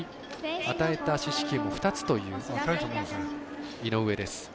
与えた四死球も２つという井上。